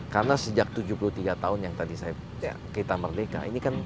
karena sejak tujuh puluh tiga tahun yang tadi kita merdeka